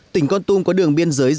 tỉnh con tung có đường biên giới dài